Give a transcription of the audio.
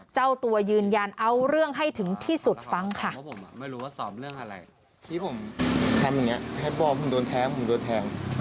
เจ้าตัวยืนยันเอาเรื่องให้ถึงที่สุดฟังค่ะ